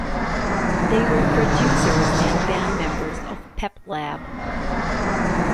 They were producers and band members of Peplab.